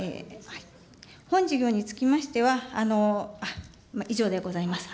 本事業につきましては、以上でございます。